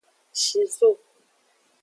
Shizo.